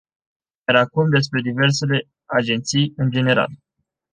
Iar acum, despre diversele agenții în general.